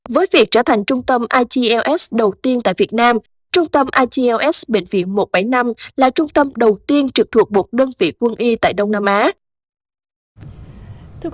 với việc trở thành trung tâm ielts đầu tiên tại việt nam trung tâm ielts bệnh viện một trăm bảy mươi năm là trung tâm đầu tiên trực thuộc một đơn vị quân y tại đông nam á